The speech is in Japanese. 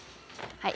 はい？